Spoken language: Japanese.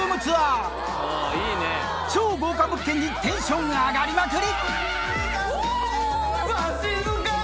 超豪華物件にテンション上がりまくり！